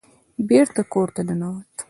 بېرته کور ته ننوت.